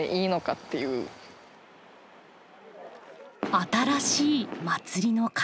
新しい祭りの形。